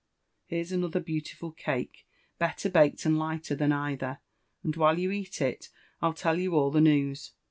Here's another beautiful cake, better baked and lighter than either ; and while you eat it, I'll tell you all Uie news.